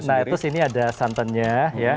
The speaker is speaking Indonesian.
nah terus ini ada santannya ya